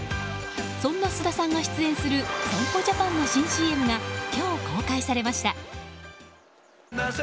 そんな菅田さんが出演する損保ジャパンの新ＣＭが今日、公開されました。